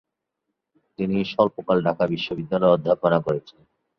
তিনি স্বল্পকাল ঢাকা বিশ্ববিদ্যালয়ে অধ্যাপনা করেছেন।